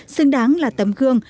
xứng đáng là tấm gương